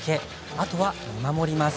あとは見守ります。